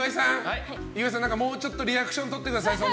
岩井さん、もうちょっとリアクションとってください。